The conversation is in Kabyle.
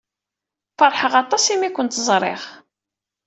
Feṛḥeɣ aṭas imi ay kent-ẓriɣ.